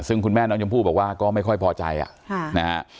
ซึ่งคุณแม่น้องชมพู่บอกว่าก็ไม่ค่อยพอใจอ่ะนะฮะ